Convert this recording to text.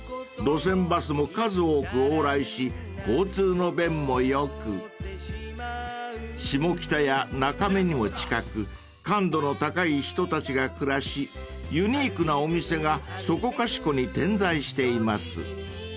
［路線バスも数多く往来し交通の便も良く下北や中目にも近く感度の高い人たちが暮らしユニークなお店がそこかしこに点在しています］